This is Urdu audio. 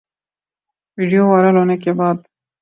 ویڈیو وائرل ہونے کے بعد